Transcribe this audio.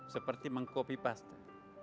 seperti mengkopi pasta